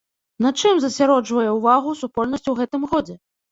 На чым засяроджвае ўвагу супольнасць у гэтым годзе?